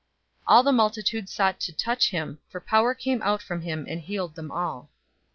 006:019 All the multitude sought to touch him, for power came out from him and healed them all.